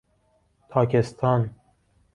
تاکستان